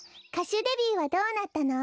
しゅデビューはどうなったの？